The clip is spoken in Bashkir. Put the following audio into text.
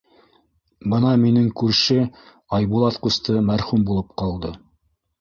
Бына минең күрше Айбулат ҡусты мәрхүм булып ҡалды.